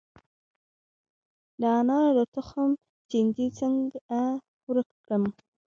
د انارو د تخم چینجی څنګه ورک کړم؟